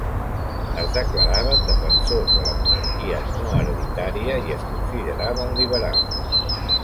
Es declaraven defensors de la monarquia no hereditària i es consideraven liberals.